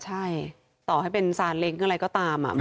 ใช่ต่อให้เป็นซานเล้งอะไรก็ตาม